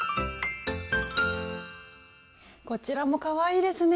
こちらもかわいいですね！